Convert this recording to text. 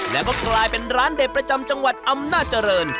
แล้วก็กลายเป็นร้านเด็ดประจำจังหวัดอำนาจริง